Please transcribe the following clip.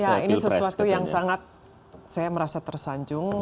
ya ini sesuatu yang sangat saya merasa tersanjung